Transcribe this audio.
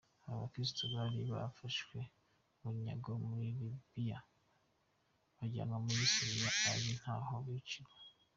Aba bakirisitu bari barafashwe bunyago muri Libya bajyanwa muri Syria ari naho biciwe.